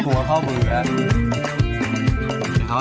หัวเข้ามือ